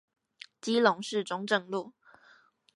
基隆市中正路